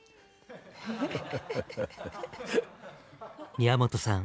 宮本さん